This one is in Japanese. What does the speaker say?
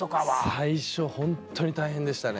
最初ホントに大変でしたね。